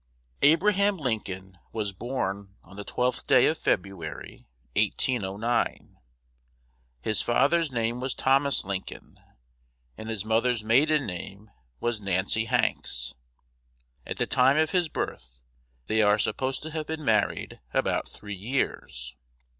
ABRAHAM LINCOLN was born on the twelfth day of February, 1809. His father's name was Thomas Lincoln, and his mother's maiden name was Nancy Hanks. At the time of his birth, they are supposed to have been married about three years.